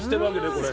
これ。